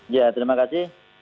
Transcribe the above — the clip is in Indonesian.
ya terima kasih